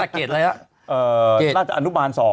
น่าจะอนุบาล๒